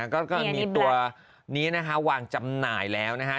ก็มีตัวนี้นะคะวางจำหน่ายแล้วนะฮะ